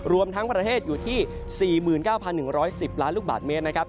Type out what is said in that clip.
รวมทั้งประเทศอยู่ที่๔๙๑๑๐ล้านลูกบาทเมตรนะครับ